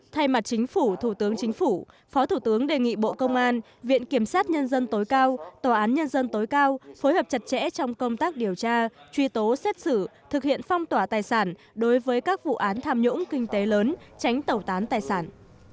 thay mặt chính phủ thủ tướng chính phủ phó thủ tướng đề nghị bộ công an viện kiểm sát nhân dân tối cao tòa án nhân dân tối cao phối hợp chặt chẽ trong công tác điều tra truy tố xét xử thực hiện phong tỏa tài sản đối với các vụ án tham nhũng kinh tế lớn tránh tẩu tán tài sản